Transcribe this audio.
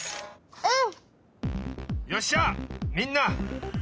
うん。